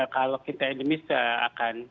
kalau kita endemis ya akan